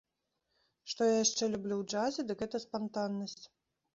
Што я яшчэ люблю ў джазе, дык гэта спантаннасць.